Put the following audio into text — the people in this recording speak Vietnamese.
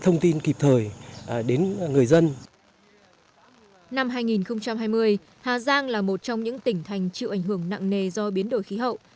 năm hai nghìn hai mươi hà giang là một trong những tỉnh thành chịu ảnh hưởng nặng nề do biến đổi khí hậu